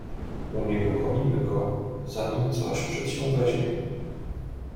"Unieruchomimy go, zanim coś przedsięweźmie."